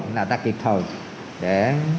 là ta kịp thời để